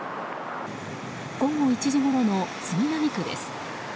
午後１時ごろの杉並区です。